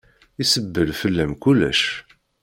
Isebbel fell-am kullec.